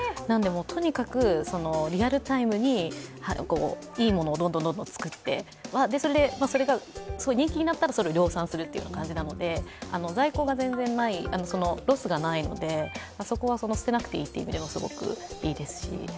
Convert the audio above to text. とにかくリアルタイムにいいものをどんどん作って、人気になったらそれを量産するという感じなので在庫が全然ない、ロスがないのでそこは捨てなくていいという意味でも、すごくいいですし。